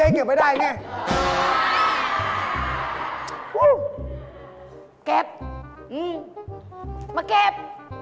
เก็บมาเก็บ